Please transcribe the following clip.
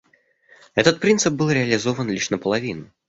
Этот принцип был реализован лишь наполовину.